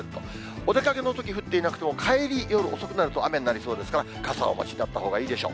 お出かけのとき降っていなくても、帰り、夜遅くなると雨になりそうですから、傘をお持ちになったほうがいいでしょう。